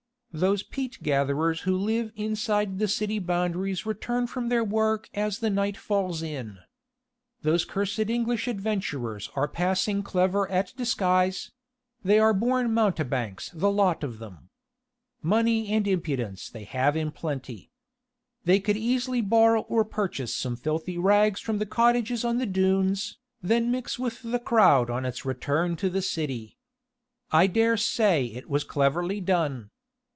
Those peat gatherers who live inside the city boundaries return from their work as the night falls in. Those cursed English adventurers are passing clever at disguise they are born mountebanks the lot of them. Money and impudence they have in plenty. They could easily borrow or purchase some filthy rags from the cottages on the dunes, then mix with the crowd on its return to the city. I dare say it was cleverly done.